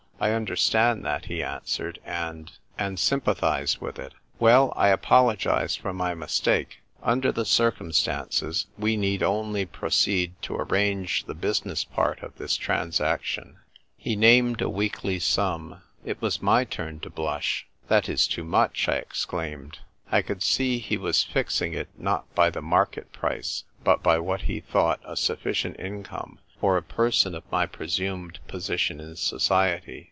"I understand that," he answered; "and — and sympathise with it. Well, I apologise for my mistake. Under the circumstances, we need only proceed to arrange the business part of this transaction." 126 THE TYPE WRITER GIRL. He named a weekly sum. It was my turn to blush. "That is too much," I exclaimed. I could see he was fixing it, not by the market price, but by what he thought a suffi cient income for a person of my presumed position in society.